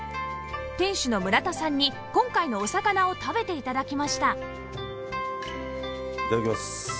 店主の村田さんに今回のお魚を食べて頂きました